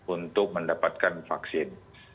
untuk mendapatkan vaksin